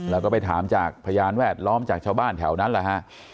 แล้วก็ไปถามจากพยานแวดล้อมจากชาวบ้านแถวนั้นแหละฮะ